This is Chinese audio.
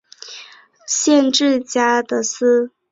县治加的斯。